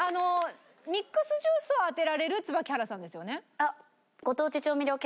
ミックスジュースを当てられる椿原さんですよね？